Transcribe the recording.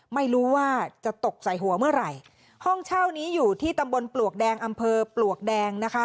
ไม่รู้ว่าจะตกใส่หัวเมื่อไหร่ห้องเช่านี้อยู่ที่ตำบลปลวกแดงอำเภอปลวกแดงนะคะ